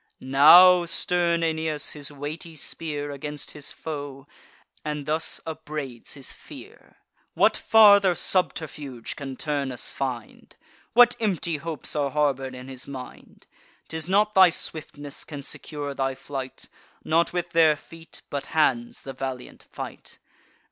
Now stern Aeneas waves his weighty spear Against his foe, and thus upbraids his fear: "What farther subterfuge can Turnus find? What empty hopes are harbour'd in his mind? 'Tis not thy swiftness can secure thy flight; Not with their feet, but hands, the valiant fight.